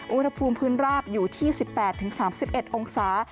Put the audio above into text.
อุณหภูมิพื้นราบอยู่ที่๑๘๓๑องศา